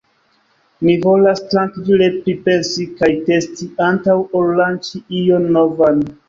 Ni volas trankvile pripensi kaj testi antaŭ ol lanĉi ion novan.